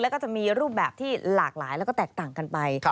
แล้วก็จะมีรูปแบบที่หลากหลายแล้วก็แตกต่างกันไป